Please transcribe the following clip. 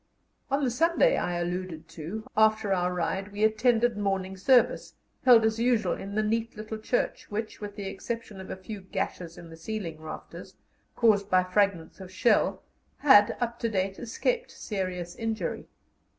On the Sunday I alluded to, after our ride we attended morning service, held as usual in the neat little church, which, with the exception of a few gashes in the ceiling rafters, caused by fragments of shell, had up to date escaped serious injury.